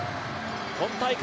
今大会